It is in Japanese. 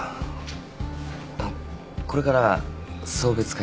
あっこれから送別会なんすよ。